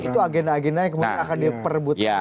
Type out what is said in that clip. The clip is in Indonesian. itu agenda agenda yang kemudian akan diperebut